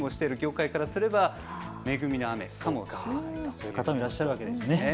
そういう方もいらっしゃるわけですね。